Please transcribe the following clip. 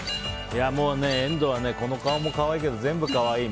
遠藤は、この顔も可愛いけど全部可愛い。